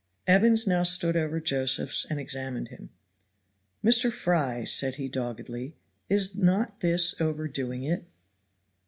Evans now stood over Josephs and examined him. "Mr. Fry," said he doggedly, "is not this overdoing it?"